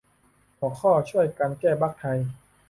หัวข้อ ช่วยกันแก้บั๊กไทย